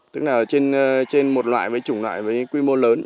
tức là trên một loại với chủng loại với quy mô lớn